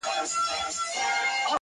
o ستا د مستۍ په خاطر.